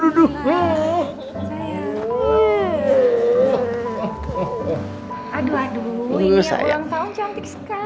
ini ulang tahun cantik sekali